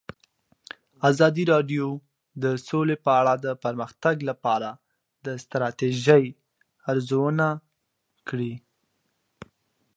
ازادي راډیو د سوله په اړه د پرمختګ لپاره د ستراتیژۍ ارزونه کړې.